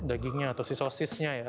dagingnya atau si sosisnya ya